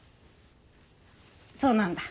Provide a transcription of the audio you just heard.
そうなんだ。